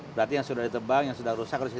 berarti yang sudah ditebang yang sudah rusak harus di